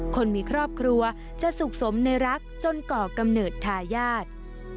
คนมีครอบครัวจะสุขสมในรักจนก่อกำเนิดทายาท